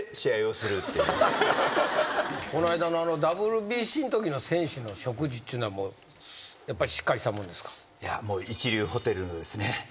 この間のＷＢＣのときの選手の食事っていうのはやっぱりしっかりしたもんですか？